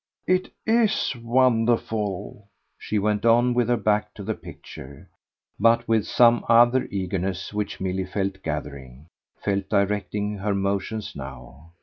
It IS wonderful," she went on with her back to the picture, but with some other eagerness which Milly felt gathering, felt directing her motions now.